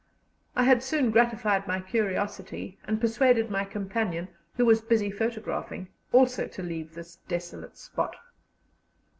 I had soon gratified my curiosity, and persuaded my companion, who was busy photographing, also to leave this desolate spot.